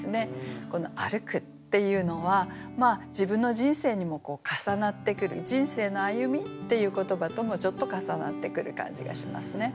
この「歩く」っていうのは自分の人生にも重なってくる人生の歩みっていう言葉ともちょっと重なってくる感じがしますね。